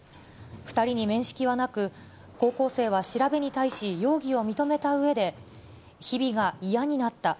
２人に面識はなく、高校生は調べに対し、容疑を認めたうえで、日々が嫌になった。